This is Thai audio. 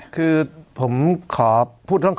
คือผมขอพูดข้อใจจริงหนึ่งก่อนกัน